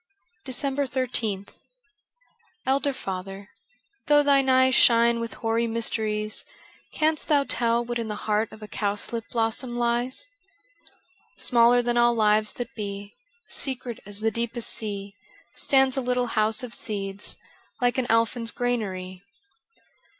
' 385 DECEMBER 13th ELDER father, though thine eyes Shine with hoary mysteries, Canst thou tell what in the heart Of a cowslip blossom lies ? Smaller than all lives that be. Secret as the deepest sea. Stands a little house of seeds Like an elfin's granary.